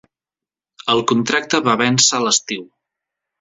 El contracte va vèncer a l'estiu.